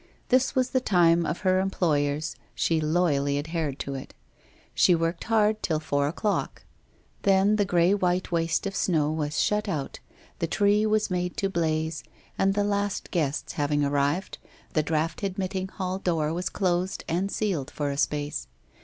This was the time of her employers, she loyally adhered to it. She worked hard till four o'clock. Then the grey white waste of snow was shut out, the tree was made to blaze, and the last guests having arrived, the draught admitting hall door was closed and sealed for a space.